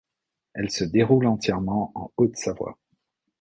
Elle se déroule entièrement en Haute-Savoie.